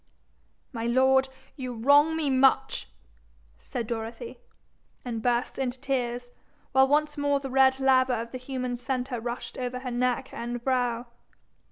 'My lord, you wrong me much,' said Dorothy, and burst into tears, while once more the red lava of the human centre rushed over her neck and brow.